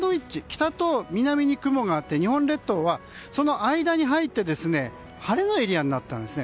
北と南に雲があって日本列島はその間に入って晴れのエリアになったんです。